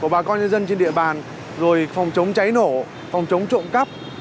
của bà con nhân dân trên địa bàn rồi phòng chống cháy nổ phòng chống trộm cắp